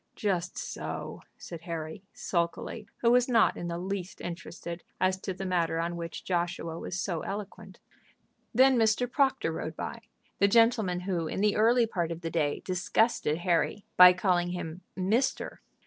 "Just so," said Harry, sulkily, who was not in the least interested as to the matter on which Joshua was so eloquent. Then Mr. Proctor rode by, the gentleman who in the early part of the day disgusted Harry by calling him "mister."